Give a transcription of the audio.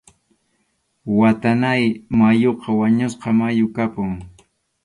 Watanáy mayuqa wañusqa mayu kapun.